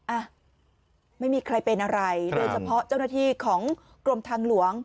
อ่ะไม่มีใครเป็นอะไรโดยเฉพาะเจ้าหน้าที่ของกรมทางหลวง